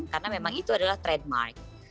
karena memang itu adalah trademark